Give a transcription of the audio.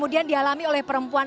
yang dialami oleh perempuan